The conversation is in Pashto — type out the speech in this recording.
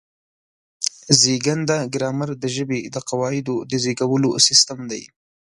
زېږنده ګرامر د ژبې د قواعدو د زېږولو سیستم دی.